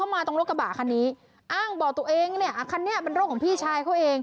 มาไอ้ตีด้วย